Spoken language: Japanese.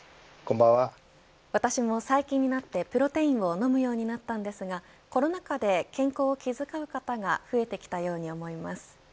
私も最近になってプロテインを飲むようになったんですがコロナ禍で健康を気遣う方が増えてきたように思います。